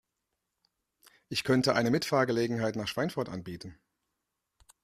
Ich könnte eine Mitfahrgelegenheit nach Schweinfurt anbieten